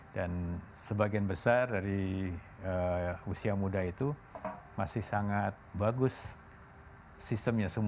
dan sebagian besar dari usia muda itu masih sangat bagus sistemnya